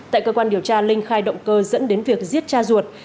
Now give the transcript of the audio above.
tại cơ quan điều tra linh khai động cơ dẫn đến việc giết cha ruột